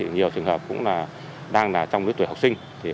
nhiều trường hợp cũng đang là trong lưới tuổi học sinh